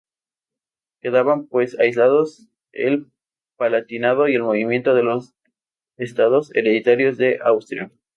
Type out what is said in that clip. Quedaban, pues, aislados el Palatinado y el movimiento en los Estados hereditarios de Austria.